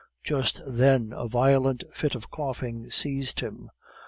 Just then a violent fit of coughing seized him.